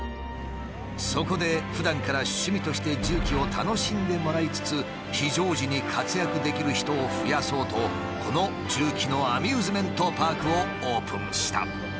そこでふだんから趣味として重機を楽しんでもらいつつ非常時に活躍できる人を増やそうとこの重機のアミューズメントパークをオープンした。